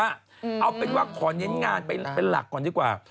เอาเป็นว่าขอเน้นงานเป็นหลักก่อนดีกว่า